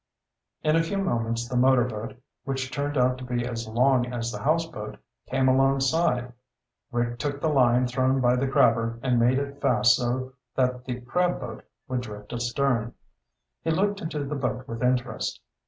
In a few moments the motorboat, which turned out to be as long as the houseboat, came alongside. Rick took the line thrown by the crabber and made it fast so that the crab boat would drift astern. He looked into the boat with interest.